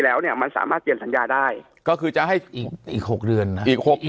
แล้วเนี่ยมันสามารถเปลี่ยนสัญญาได้ก็คือจะให้อีก๖เดือนนะอีก๖เดือน